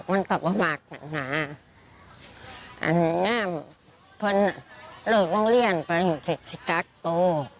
อันนี้นั่งเพื่อนลูกโรงเรียนก็เล่นสิทธิ์การ์ดโต